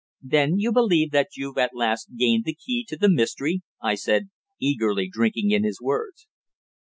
"Then you believe that you've at last gained the key to the mystery?" I said, eagerly drinking in his words.